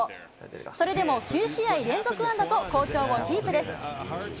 それでも９試合連続安打と好調をキープです。